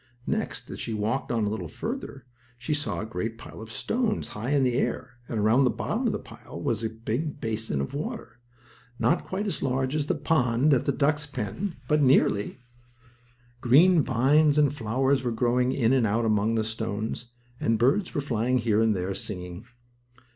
Next, as she walked on a little farther, she saw a great pile of stones high in the air, and, around the bottom of the pile was a big basin of water, not quite as large as the pond at the ducks' pen, but nearly, Green vines and flowers were growing in and out among the stones, and birds were flying here and there, singing.